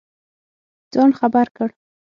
ځان خبر کړ.